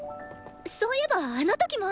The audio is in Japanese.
そういえばあの時も。